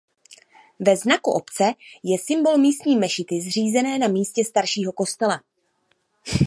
Ve znaku obce je symbol místní mešity zřízené na místě staršího kostela.